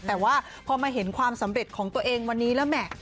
แต่ว่าพอมาเห็นความสำเร็จของตัวเองวันนี้แล้วแหม่